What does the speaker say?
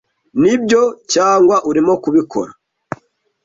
Nibyo, cyangwa urimo kubikora?